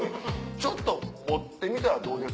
ちょっと持ってみたらどうです？